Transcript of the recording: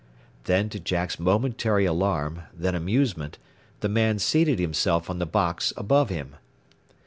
Then, to Jack's momentary alarm, then amusement, the man seated himself on the box, above him.